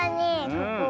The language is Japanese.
ここ。